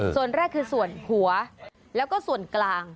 ส่วนแรกคือส่วนหัวแล้วก็ส่วนกลาง